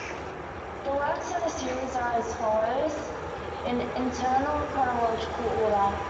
The works in the series are as follows, in internal chronological order.